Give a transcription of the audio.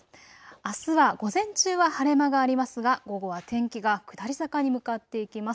あすは午前中は晴れ間がありますが午後は天気が下り坂に向かっていきます。